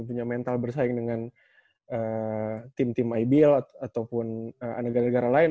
punya mental bersaing dengan tim tim ibl ataupun negara negara lain